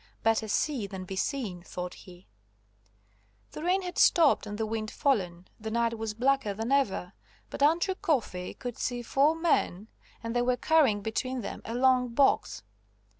Better see than be seen, thought he. The rain had stopped and the wind fallen. The night was blacker than ever, but Andrew Coffey could see four men, and they were carrying between them a long box.